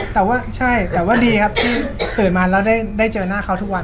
แต่ว่าดีที่ตื่นมาและได้เจอหน้าเค้าทุกวัน